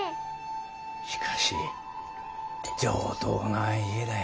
しかし上等な家だい。